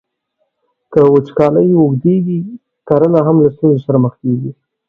که وچکالۍ اوږدیږي، کرنه هم له ستونزو سره مخ کیږي.